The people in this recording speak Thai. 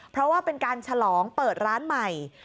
เพราะว่าเป็นการฉลองเปิดร้านใหม่